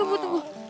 tunggu tunggu tunggu